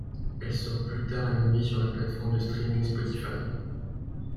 Elle sort plus tard à minuit sur la plateforme de streaming Spotify.